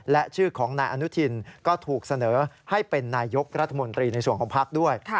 และชื่อของนายอนุทินก็ถูกเสนอให้เป็นนายยกรัฐมนตรีในส่วนของพักด้วย